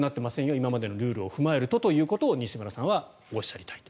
今までのルールを踏まえるとと西村さんはおっしゃりたいと。